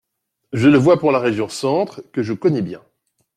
Je le vois pour la région Centre, que je connais bien.